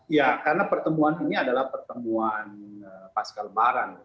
ya karena pertemuan ini adalah pertemuan pasca lebaran